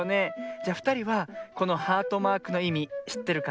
じゃふたりはこのハートマークのいみしってるかしら？